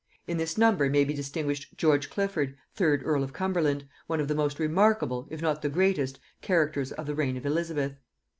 In this number may be distinguished George Clifford third earl of Cumberland, one of the most remarkable, if not the greatest, characters of the reign of Elizabeth.